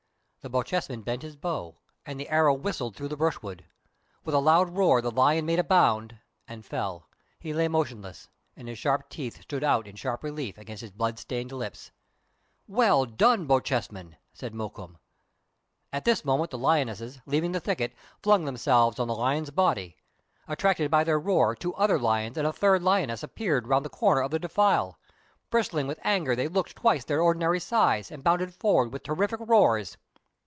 '* The Bochjesman bent his bow, and the arrow whistled through the brushwood. With a loud roar, the lion made a bound and fell. He lay motionless, and his sharp teeth stood out in strong relief against his blood stained lips. " Well done, Bochjesman !" said Mokoum. At this moment the lionesses, leaving the thicket, flung themselves on the lion's body. Attracted by their roar, two other lions and a third lioness appeared round the corner of the defile. Bristling with anger, they looked twice their ordinary size, and bounded forward with terrific roars.